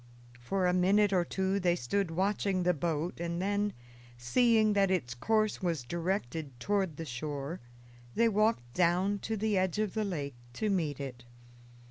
For a minute or two they stood watching the boat, and then, seeing that its course was directed toward the shore, they walked down to the edge of the lake to meet it.